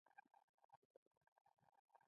څوک چې کار کوي، نتیجه یې ويني.